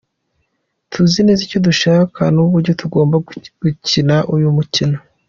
Tuzi neza icyo dushaka n’uburyo tugomba gukina uyu mukino.